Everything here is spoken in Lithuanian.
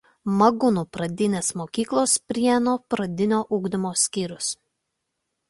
Magūnų pagrindinės mokyklos Prienų pradinio ugdymo skyrius.